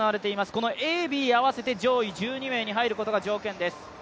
このＡ、Ｂを合わせて上位１２名に入ることが条件です。